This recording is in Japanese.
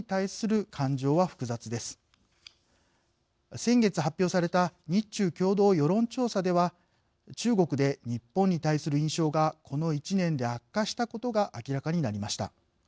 先月発表された日中共同世論調査では中国で日本に対する印象がこの１年で悪化したことが明らかになりました。